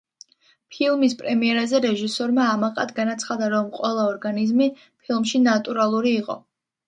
ფილმის პრემიერაზე რეჟისორმა ამაყად განაცხადა, რომ ყველა ორგაზმი ფილმში ნატურალური იყო.